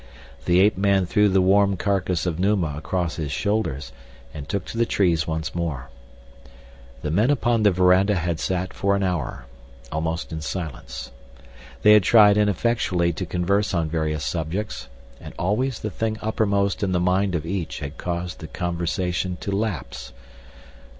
The ape man threw the warm carcass of Numa across his shoulders and took to the trees once more. The men upon the veranda had sat for an hour, almost in silence. They had tried ineffectually to converse on various subjects, and always the thing uppermost in the mind of each had caused the conversation to lapse.